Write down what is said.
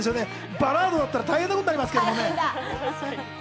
バラードだったら大変なことになりますけど。